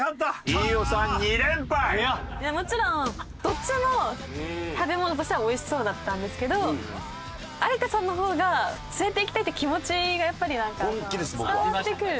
いやもちろんどっちも食べ物としては美味しそうだったんですけど有田さんの方が連れて行きたいという気持ちがやっぱり伝わってくる。